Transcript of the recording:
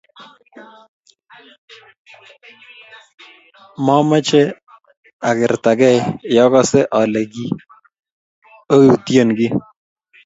momeche akertagei ye okose ale ki oyutyen kiy